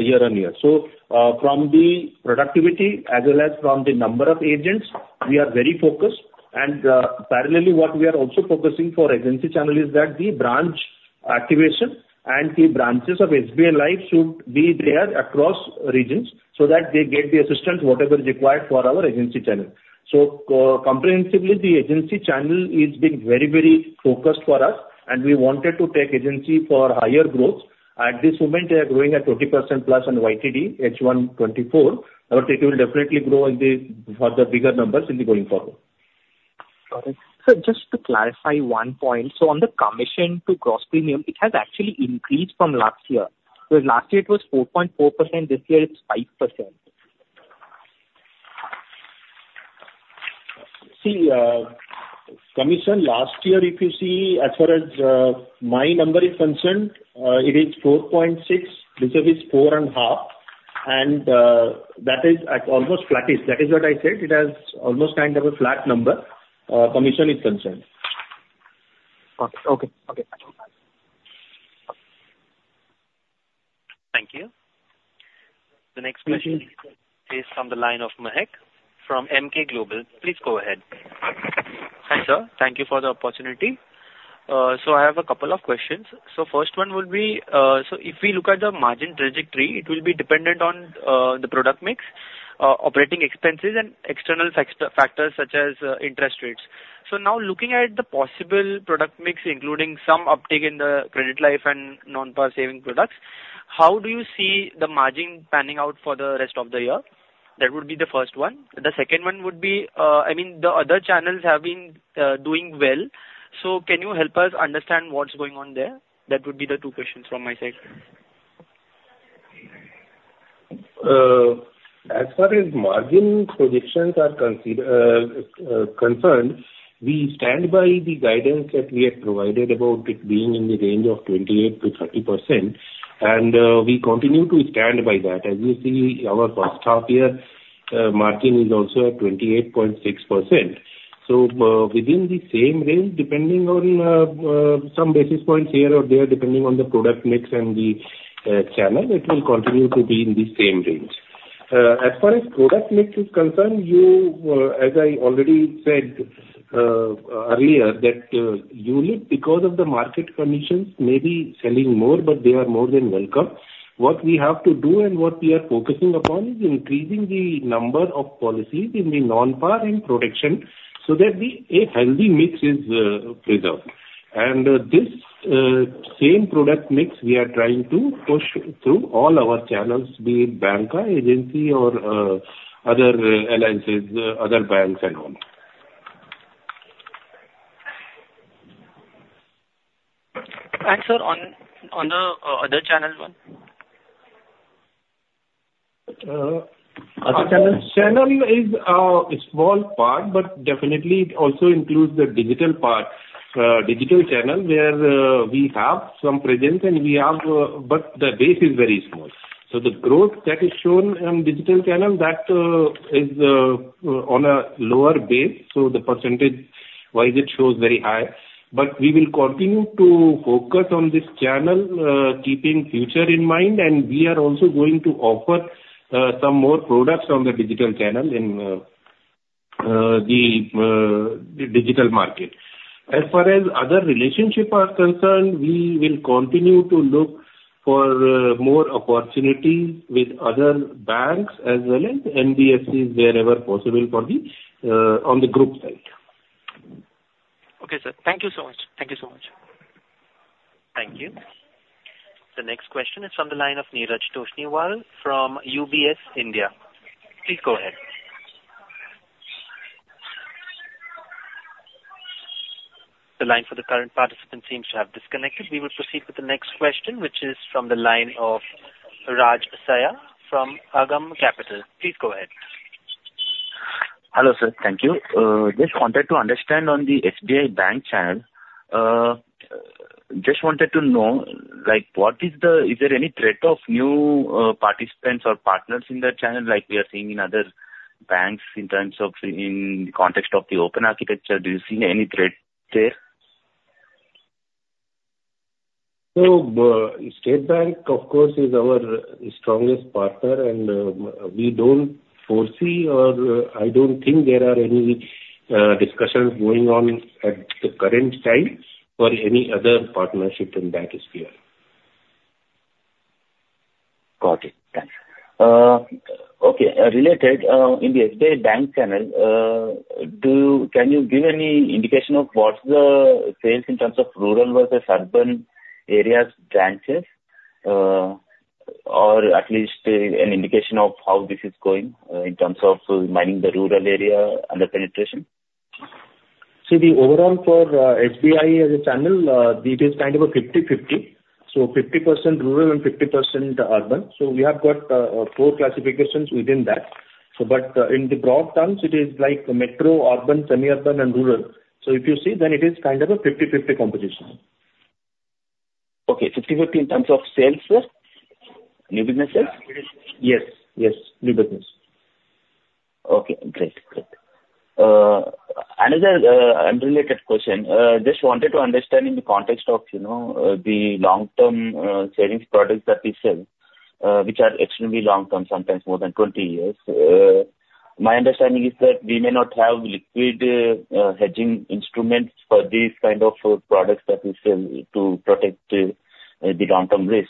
year-on-year. From the productivity as well as from the number of agents, we are very focused. Parallelly, what we are also focusing for agency channel is that the branch activation and the branches of SBI Life should be there across regions so that they get the assistance, whatever is required for our agency channel. Comprehensively, the agency channel is being very, very focused for us, and we wanted to take agency for higher growth. At this moment, we are growing at 20%+ on YTD H1 2024, but it will definitely grow in the for the bigger numbers in the going forward.
Got it. Sir, just to clarify one point: So on the commission to gross premium, it has actually increased from last year, because last year it was 4.4%, this year it's 5%.
See, commission last year, if you see, as far as my number is concerned, it is 4.6, which is 4.5, and that is at almost flattish. That is what I said, it has almost kind of a flat number, commission is concerned.
Okay. Okay. Okay.
Thank you. The next question-
Mm-hmm.
Is from the line of Mahek, from Emkay Global. Please go ahead.
Hi, sir. Thank you for the opportunity. So I have a couple of questions. So first one would be, so if we look at the margin trajectory, it will be dependent on, the product mix, operating expenses and external factors such as, interest rates. So now looking at the possible product mix, including some uptick in the credit life and non-par savings products, how do you see the margin panning out for the rest of the year? That would be the first one. The second one would be, I mean, the other channels have been, doing well. So can you help us understand what's going on there? That would be the two questions from my side.
As far as margin projections are concerned, we stand by the guidance that we have provided about it being in the range of 28%-30%, and we continue to stand by that. As you see, our first half year margin is also at 28.6%. So, within the same range, depending on some basis points here or there, depending on the product mix and the channel, it will continue to be in the same range. As far as product mix is concerned, you, as I already said earlier, that ULIP, because of the market conditions, may be selling more, but they are more than welcome. What we have to do and what we are focusing upon is increasing the number of policies in the non-par and protection, so that a healthy mix is preserved. And this same product mix we are trying to push through all our channels, be it banca, agency or other alliances, other banks and all.
Sir, on the other channel one?
Uh...
Other channels?
Channel is a small part, but definitely it also includes the digital part. Digital channel, where we have some presence, but the base is very small. So the growth that is shown in digital channel is on a lower base, so percentage-wise, it shows very high. But we will continue to focus on this channel, keeping future in mind, and we are also going to offer some more products on the digital channel in the digital market. As far as other relationship are concerned, we will continue to look for more opportunity with other banks as well as NBFCs wherever possible for the on the group side.
Okay, sir. Thank you so much. Thank you so much.
Thank you. The next question is from the line of Neeraj Toshniwal from UBS India. Please go ahead. The line for the current participant seems to have disconnected. We will proceed with the next question, which is from the line of Raj Asaya from Agam Capital. Please go ahead.
Hello, sir. Thank you. Just wanted to understand on the SBI bank channel, just wanted to know, like, what is the, is there any threat of new participants or partners in the channel like we are seeing in other banks, in terms of, in context of the open architecture? Do you see any threat there?
State Bank, of course, is our strongest partner, and we don't foresee or I don't think there are any discussions going on at the current time for any other partnership in that sphere.
Got it. Thanks. Okay, related, in the SBI bank channel, do you, can you give any indication of what's the sales in terms of rural versus urban areas, branches? Or at least, an indication of how this is going, in terms of mining the rural area and the penetration.
See, the overall for SBI as a channel, it is kind of a 50/50, so 50% rural and 50% urban. So we have got four classifications within that. So, but in the broad terms, it is like metro, urban, semi-urban and rural. So if you see, then it is kind of a 50/50 composition.
Okay, 50/50 in terms of sales, sir? New business sales?
Yes, yes, new business.
Okay, great. Great. Another, unrelated question. Just wanted to understand in the context of, you know, the long-term, savings products that we sell, which are extremely long term, sometimes more than 20 years. My understanding is that we may not have liquid, hedging instruments for these kind of products that we sell to protect, the long-term risk.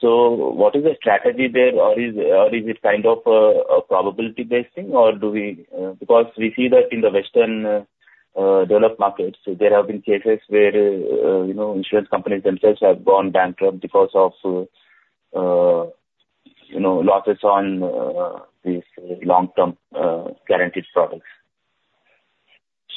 So what is the strategy there, or is, or is it kind of, a probability-based thing, or do we... Because we see that in the Western, developed markets, there have been cases where, you know, insurance companies themselves have gone bankrupt because of, you know, losses on, these long-term, guaranteed products.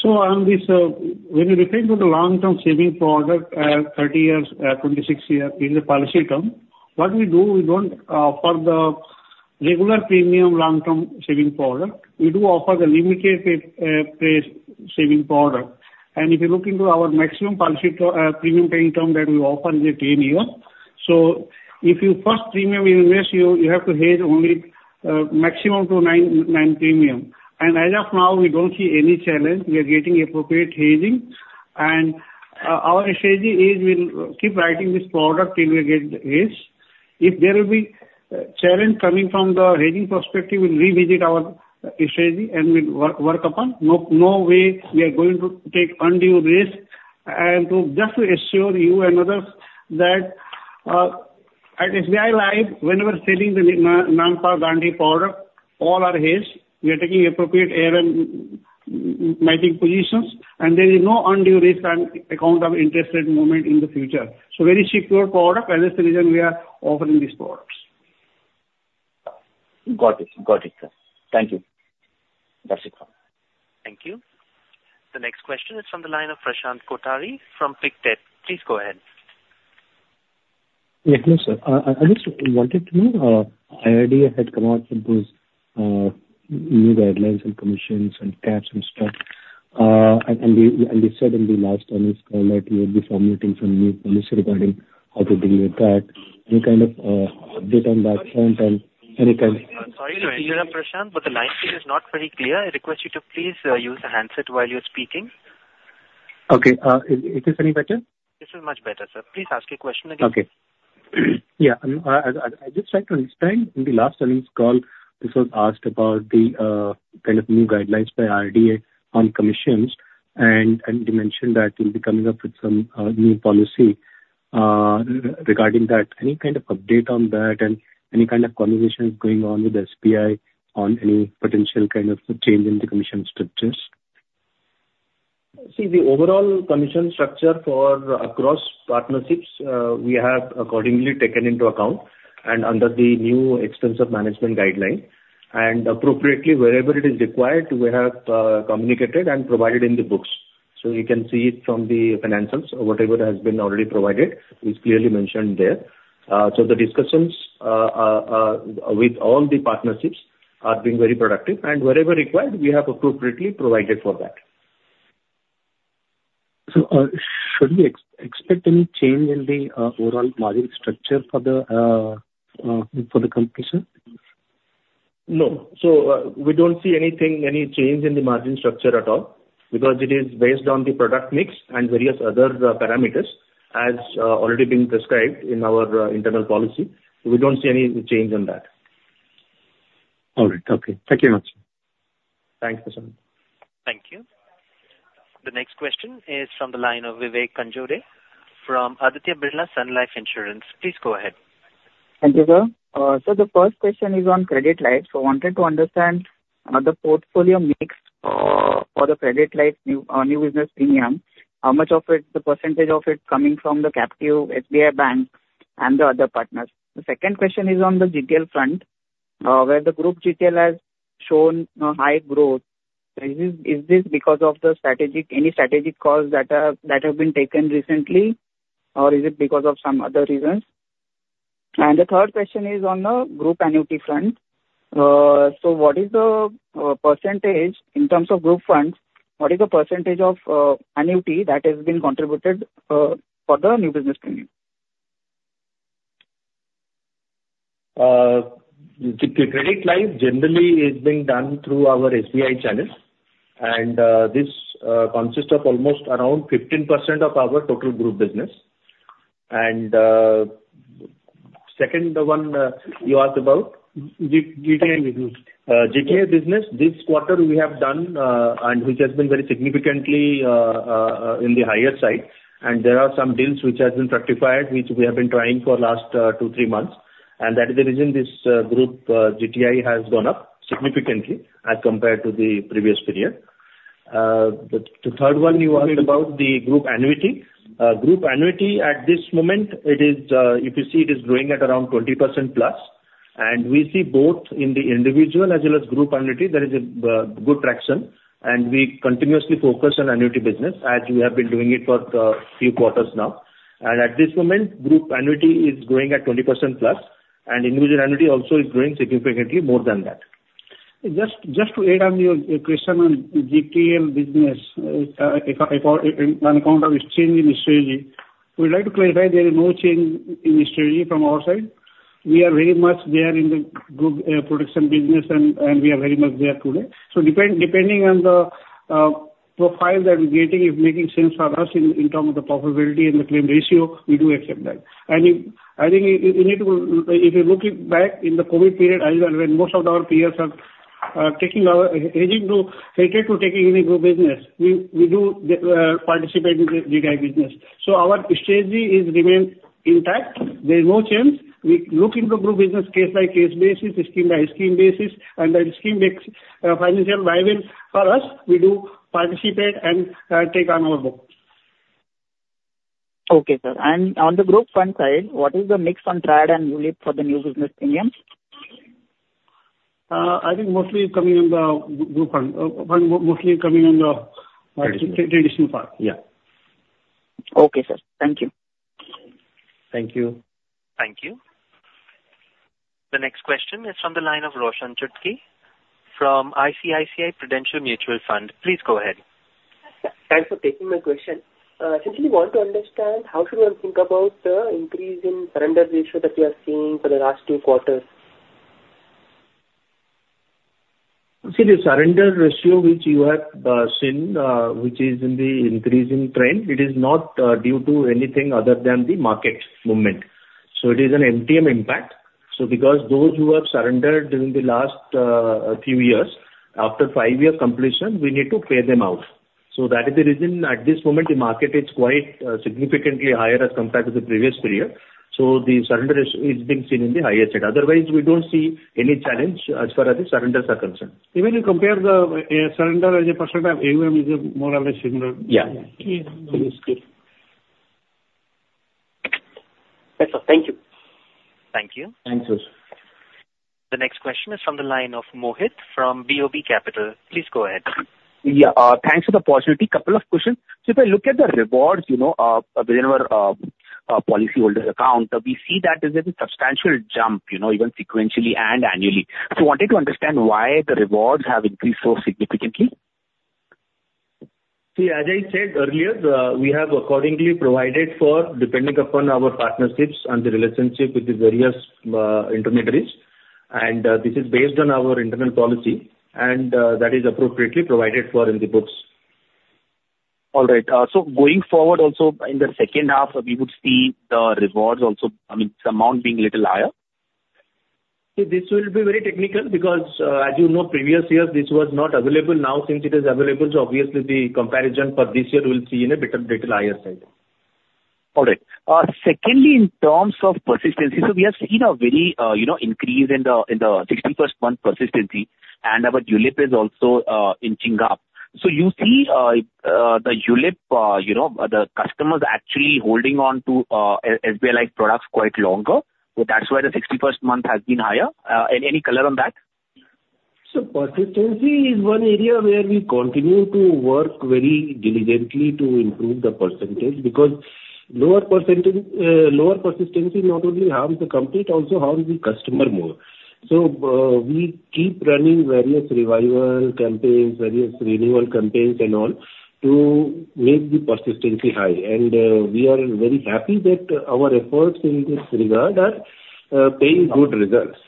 So on this, when we refer to the long-term savings product, 30 years, 26 years in the policy term, what we do, we don't, for the regular premium long-term savings product, we do offer the limited pay savings product. And if you look into our maximum policy premium paying term that we offer is 10 years. So if you first premium, we invest you, you have to hedge only maximum to 9, 9 premiums. And as of now, we don't see any challenge. We are getting appropriate hedging. And our strategy is we'll keep writing this product till we get the hedge. If there will be challenge coming from the hedging perspective, we'll revisit our strategy and we'll work upon. No, no way we are going to take undue risk. To just assure you and others that, at SBI Life, when we are selling the Mahatma Gandhi product, all are hedged. We are taking appropriate hedge and mitigating positions, and there is no undue risk on account of interest rate movement in the future. Very secure product, and that's the reason we are offering these products.
Got it. Got it, sir. Thank you. That's it for now.
Thank you. The next question is from the line of Prashant Kothari from Pictet. Please go ahead.
Yeah, hello, sir. I just wanted to know, IRDAI had come out with those new guidelines on commissions and Capes and stuff, and we said in the last earnings call that you will be formulating some new policy regarding how to deal with that. Any kind of update on that front and any kind-
Sorry to interrupt, Prashant, but the line is not very clear. I request you to please use the handset while you're speaking.
Okay, is this any better?
This is much better, sir. Please ask your question again.
Okay. Yeah. I'd just like to understand, in the last earnings call, this was asked about the kind of new guidelines by IRDAI on commissions, and you mentioned that you'll be coming up with some new policy regarding that. Any kind of update on that, and any kind of conversations going on with SBI on any potential kind of change in the commission structures?
See, the overall commission structure for across partnerships, we have accordingly taken into account, and under the new extensive management guideline, and appropriately, wherever it is required, we have communicated and provided in the books. So you can see it from the financials. Whatever has been already provided is clearly mentioned there. So the discussions with all the partnerships are being very productive, and wherever required, we have appropriately provided for that.
Should we expect any change in the overall margin structure for the competition?...
No. So, we don't see anything, any change in the margin structure at all, because it is based on the product mix and various other parameters, as already been described in our internal policy. We don't see any change in that.
All right. Okay. Thank you much.
Thanks, Prashant.
Thank you. The next question is from the line of Vivek Khanjode from Aditya Birla Sun Life Insurance. Please go ahead.
Thank you, sir. So the first question is on credit life. So wanted to understand the portfolio mix for the credit life new business premium, how much of it, the percentage of it coming from the captive SBI bank and the other partners? The second question is on the GTL front, where the group GTL has shown a high growth. Is this because of any strategic calls that have been taken recently, or is it because of some other reasons? And the third question is on the group annuity front. So what is the percentage in terms of group funds, what is the percentage of annuity that has been contributed for the new business premium?
The credit life generally is being done through our SBI channel, and this consists of almost around 15% of our total group business. Second, the one you asked about? GTL business. GTL business, this quarter we have done, and which has been very significantly in the higher side. And there are some deals which have been ratified, which we have been trying for last 2-3 months, and that is the reason this group GTL has gone up significantly as compared to the previous period. The third one you asked about the group annuity. Group annuity at this moment, it is, if you see, it is growing at around 20%+, and we see both in the individual as well as group annuity, there is a good traction, and we continuously focus on annuity business, as we have been doing it for the few quarters now. And at this moment, group annuity is growing at 20%+, and individual annuity also is growing significantly more than that. Just to add on your question on GTL business, on account of its change in strategy. We'd like to clarify, there is no change in strategy from our side. We are very much there in the group protection business and we are very much there today. Depending on the profile that we're getting, is making sense for us in terms of the profitability and the claim ratio, we do accept that. I think you need to, if you're looking back in the COVID period as well, when most of our peers are taking or hedging to hesitate to taking any group business, we do participate in the GTL business. Our strategy is remain intact. There is no change. We look into group business case by case basis, scheme by scheme basis, and the scheme makes financial viable for us, we do participate and take on our books.
Okay, sir. And on the group front side, what is the mix on triad and ULIP for the new business premium?
I think mostly coming on the group front. Mostly coming on the Traditional. Traditional part. Yeah.
Okay, sir. Thank you.
Thank you.
Thank you. The next question is from the line of Roshan Chutkey from ICICI Prudential Mutual Fund. Please go ahead.
Thanks for taking my question. Simply want to understand, how should one think about the increase in surrender ratio that we are seeing for the last two quarters?
See, the surrender ratio which you have seen, which is in the increasing trend, it is not due to anything other than the market movement. So it is an MTM impact. So because those who have surrendered during the last few years, after five-year completion, we need to pay them out. So that is the reason at this moment, the market is quite significantly higher as compared to the previous period, so the surrender is being seen in the higher side. Otherwise, we don't see any challenge as far as the surrenders are concerned. Even you compare the surrender as a percent of AUM, is more or less similar. Yeah.
Yeah. That is good. That's all. Thank you.
Thank you.
Thanks, Roshan.
The next question is from the line of Mohit from BOB Capital. Please go ahead.
Yeah, thanks for the opportunity. Couple of questions. So if I look at the rewards, you know, within our policyholders account, we see that there's a substantial jump, you know, even sequentially and annually. So wanted to understand why the rewards have increased so significantly?
See, as I said earlier, we have accordingly provided for, depending upon our partnerships and the relationship with the various intermediaries, and this is based on our internal policy, and that is appropriately provided for in the books.
All right. So going forward, also in the second half, we would see the rewards also, I mean, the amount being a little higher?
This will be very technical because, as you know, previous years, this was not available. Now, since it is available, so obviously the comparison for this year will see in a bit, little higher side.
All right. Secondly, in terms of persistency, so we have seen a very, you know, increase in the, in the 61st month persistency, and our ULIP is also inching up. So you see, the ULIP, you know, the customers actually holding on to SBI Life products quite longer, so that's why the 61st month has been higher. Any color on that?
So persistency is one area where we continue to work very diligently to improve the percentage, because lower percentage, lower persistency not only harms the company, it also harms the customer more. We keep running various revival campaigns, various renewal campaigns and all, to make the persistency high. We are very happy that our efforts in this regard are paying good results.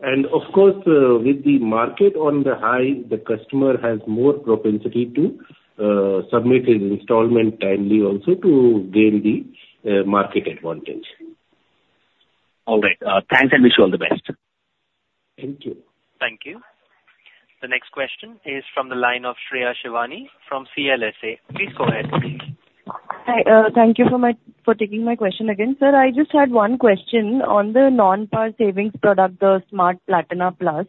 Of course, with the market on the high, the customer has more propensity to submit his installment timely also to gain the market advantage.
All right. Thanks, and wish you all the best.
Thank you.
Thank you. The next question is from the line of Shreya Shivani from CLSA. Please go ahead.
Hi, thank you for taking my question again. Sir, I just had one question on the non-par savings product, the Smart Platina Plus.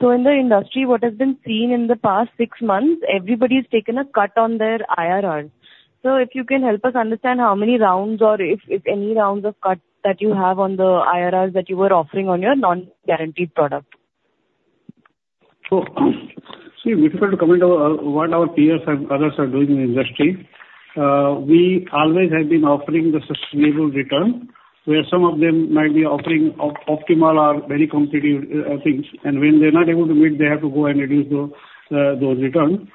So in the industry, what has been seen in the past six months, everybody's taken a cut on their IRR. So if you can help us understand how many rounds or if, if any rounds of cuts that you have on the IRRs that you were offering on your non-guaranteed product?
So, see, difficult to comment on what our peers and others are doing in the industry. We always have been offering the sustainable return, where some of them might be offering optimal or very competitive things, and when they're not able to meet, they have to go and reduce those returns.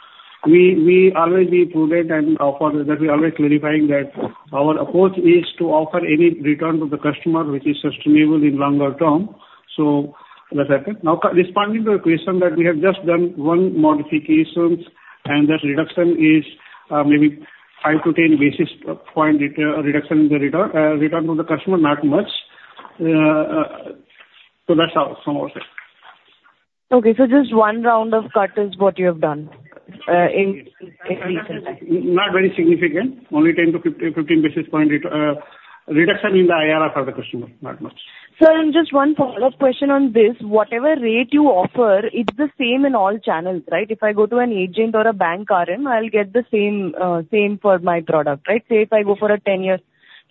We always be prudent and offer that we're always clarifying that our approach is to offer any return to the customer, which is sustainable in longer term. So that's happened. Now, corresponding to your question that we have just done one modification, and that reduction is maybe 5-10 basis point reduction in the return to the customer, not much. So that's our side.
Okay, so just one round of cut is what you have done in return?
Not very significant. Only 10-15 basis points reduction in the IRR for the customer, not much.
Sir, just one follow-up question on this. Whatever rate you offer, it's the same in all channels, right? If I go to an agent or a bank RM, I'll get the same, same for my product, right? Say, if I go for a 10 years...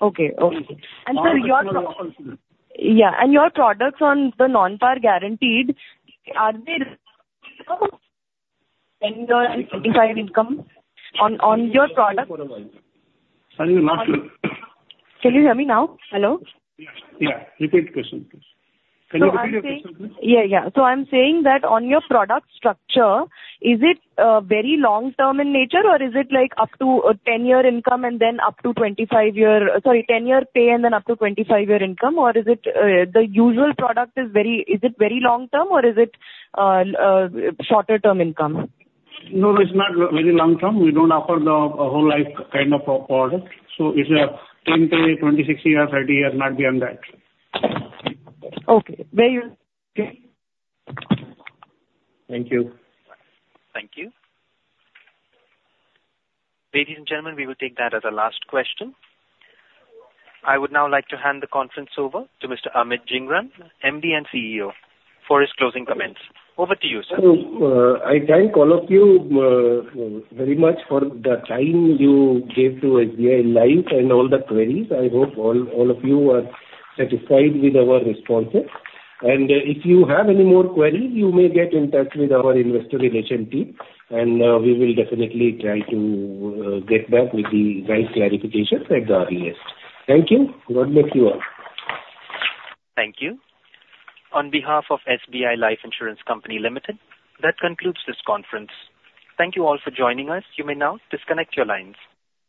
Okay, okay.
Uh, yeah.
Sir, your-
Also.
Yeah, and your products on the non-par guaranteed, are they income on your product?
Sorry, not clear.
Can you hear me now? Hello.
Yeah. Yeah, repeat the question, please. Can you repeat the question, please?
Yeah, yeah. So I'm saying that on your product structure, is it very long term in nature, or is it like up to a 10-year income and then up to 25-year... Sorry, 10-year pay and then up to 25-year income? Or is it the usual product is very-- Is it very long term, or is it shorter term income?
No, it's not very long term. We don't offer a whole life kind of a product. So it's a 10 pay, 20, 60 years, 30 years, not beyond that.
Okay. Very well.
Okay? Thank you.
Thank you. Ladies and gentlemen, we will take that as our last question. I would now like to hand the conference over to Mr. Amit Jhingran, MD and CEO, for his closing comments. Over to you, sir.
So, I thank all of you very much for the time you gave to SBI Life and all the queries. I hope all, all of you are satisfied with our responses. If you have any more queries, you may get in touch with our investor relations team, and we will definitely try to get back with the right clarifications at the earliest. Thank you. God bless you all.
Thank you. On behalf of SBI Life Insurance Company Limited, that concludes this conference. Thank you all for joining us. You may now disconnect your lines.